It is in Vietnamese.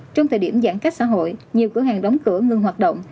trong thời điểm giãn cách xã hội nhiều cửa hàng đóng cửa ngưng hoạt động